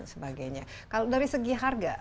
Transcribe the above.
sebagainya kalau dari segi harga